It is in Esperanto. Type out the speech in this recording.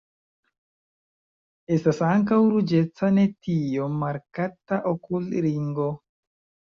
Estas ankaŭ ruĝeca ne tiom markata okulringo.